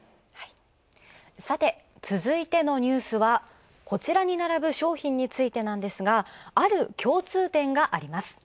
続いてのニュースは、こちらに並ぶ商品についてなんですがある共通点があります。